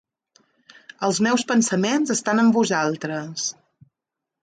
Els meus pensaments estan amb vosaltres.